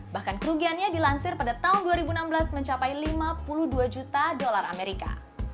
bahkan kerugiannya dilansir pada tahun dua ribu enam belas mencapai lima puluh dua juta dolar amerika